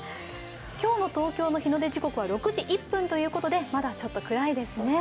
今日の東京の日の出時刻は６時１分ということで、まだちょっと、くらいですね。